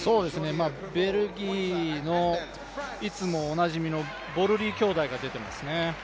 ベルギーのいつもおなじみのボルリー兄弟が出てますね。